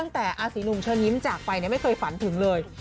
คุณชนยิ้มจากไปไม่เคยฝันถึงเลย